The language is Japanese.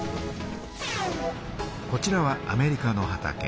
こちらはアメリカの畑。